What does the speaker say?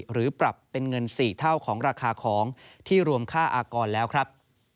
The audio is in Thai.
หรือปรับเป็นเงิน๔เท่าของราคาของที่รวมค่าอากรแล้วครับ